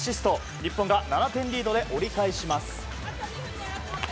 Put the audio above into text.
日本が７点リードで折り返します。